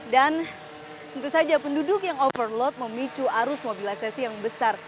dan tentu saja penduduk yang overload memicu arus mobilisasi yang besar